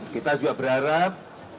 kita juga berharap